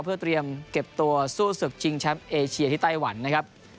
เพื่อเตรียมเก็บตัวสู้ศึกชิงแชมป์เอเชียที่ไต้หวันนะครับ